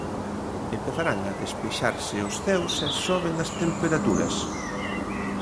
Empezarán a despexarse os ceos e soben as temperaturas.